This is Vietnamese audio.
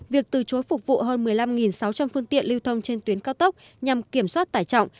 việc từ chối phục vụ hơn một mươi năm sáu trăm linh phương tiện lưu thông trên tuyến cao tốc nhằm kiểm soát tải trọng